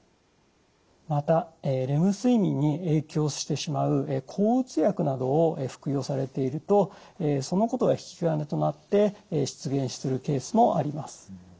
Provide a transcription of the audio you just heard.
またレム睡眠に影響してしまう抗うつ薬などを服用されているとそのことが引き金となって出現するケースもあります。